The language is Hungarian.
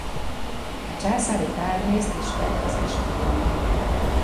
A császári pár részt is vett az esküvőn.